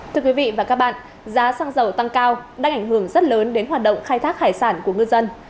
thưa quý vị và các bạn giá xăng dầu tăng cao đang ảnh hưởng rất lớn đến hoạt động khai thác hải sản của ngư dân